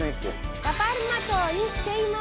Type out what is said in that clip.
ラ・パルマ島に来ています。